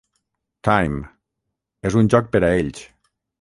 Time: ‘És un joc per a ells’.